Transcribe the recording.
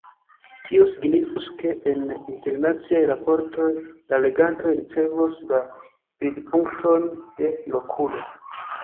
Tio signifus, ke en internaciaj raportoj la legantoj ricevos la vidpunkton de lokulo.